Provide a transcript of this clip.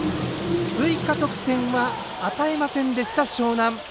追加得点は与えませんでした樟南。